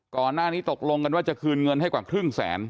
ก่อนหน้านี้ตกลงกันว่าจะคืนเงินให้กว่าครึ่งแสน